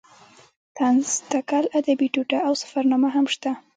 طنز تکل ادبي ټوټه او سفرنامه هم شته.